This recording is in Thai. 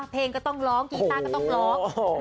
เพลงก็ต้องร้องกีต้าก็ต้องร้อง